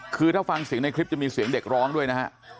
คือถ้าฟังเสียงในคลิปจะมีเสียงเด็กร้องด้วยนะฮะ